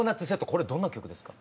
これどんな曲ですか？